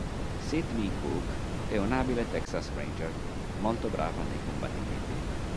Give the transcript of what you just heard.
Sidney Cooke è un abile Texas Ranger, molto brava nei combattimenti.